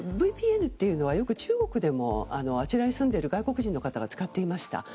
ＶＰＮというのは中国でもあちらに住んでいる外国人の方が使っていました。